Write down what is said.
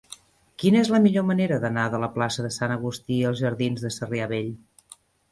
Quina és la millor manera d'anar de la plaça de Sant Agustí als jardins de Sarrià Vell?